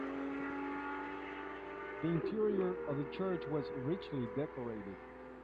The interior of the church was richly decorated.